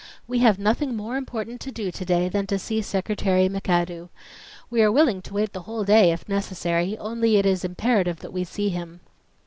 "We have nothing more important to do to day than to see Secretary McAdoo. We are willing to wait the whole day, if necessary, only it is imperative that we see him."